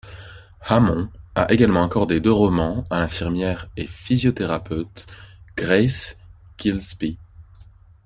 Hammond a également accordé deux romans à l’infirmière et physiothérapeute Grace Gillespie.